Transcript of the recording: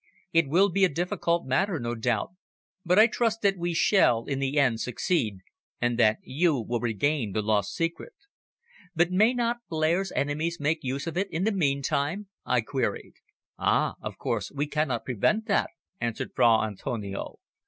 "It will be a difficult matter, no doubt, but I trust that we shall, in the end, succeed, and that you will regain the lost secret." "But may not Blair's enemies make use of it in the meantime?" I queried. "Ah! of course we cannot prevent that," answered Fra Antonio.